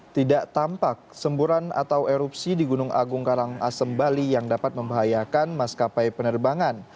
tidak tampak semburan atau erupsi di gunung agung karangasem bali yang dapat membahayakan maskapai penerbangan